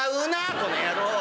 この野郎。